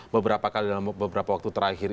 beberapa kali dalam beberapa waktu terakhir